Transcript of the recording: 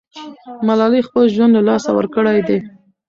ملالۍ خپل ژوند له لاسه ورکړی دی.